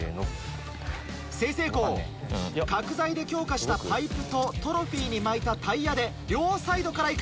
済々黌角材で強化したパイプとトロフィーに巻いたタイヤで両サイドから行く。